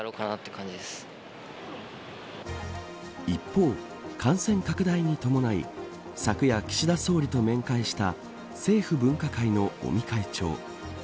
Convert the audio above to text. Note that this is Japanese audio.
一方、感染拡大に伴い、昨夜岸田総理と面会した政府分科会の尾身会長。